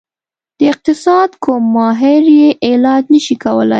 د اقتصاد کوم ماهر یې علاج نشي کولی.